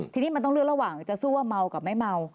ทีนี้มันต้องเลือกระหว่างจะสู้ว่าเมากับไม่เมา